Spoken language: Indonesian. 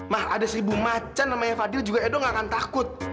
mah ada seribu macan namanya fadil juga edo nggak akan takut